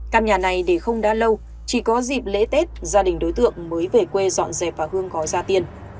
căn nhà này để không đa lâu chỉ có dịp lễ tết gia đình đối tượng mới về quê dọn dẹp và hương có ra tiền